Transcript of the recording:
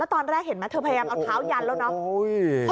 ตอนแรกเห็นไหมเธอพยายามเอาเท้ายันแล้วเนาะ